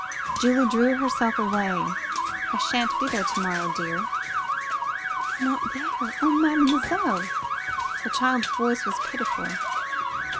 Julie drew herself away. "I sha'n't be there to morrow, dear." "Not there! Oh, mademoiselle!" The child's voice was pitiful.